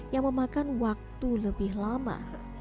yang memakan waktu lebih lama